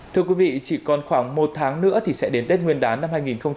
thưa quý vị chỉ còn khoảng một tháng nữa thì sẽ đến tết nguyên đán năm hai nghìn hai mươi